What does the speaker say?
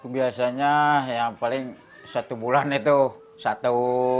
biasanya yang paling satu bulan itu satu